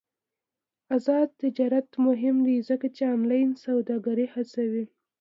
آزاد تجارت مهم دی ځکه چې آنلاین سوداګري هڅوي.